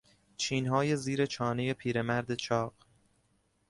چینهای زیرچانهی پیرمرد چاق